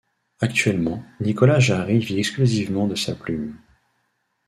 Actuellement, Nicolas Jarry vit exclusivement de sa plume.